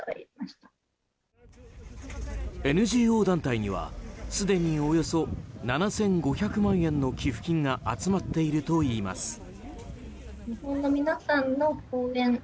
ＮＧＯ団体にはすでに、およそ７５００万円の寄付金が集まっているといいます。